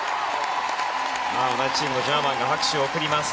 同じチームのジャーマンが拍手を送ります。